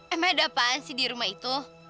emang ada apaan sih di rumah itu